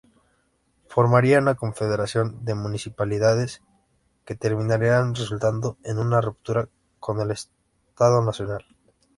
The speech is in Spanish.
Formarían una confederación de municipalidades que terminarían resultando en una ruptura con el Estado-nación.